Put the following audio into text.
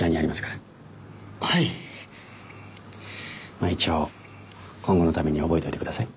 まあ一応今後のために覚えておいてください。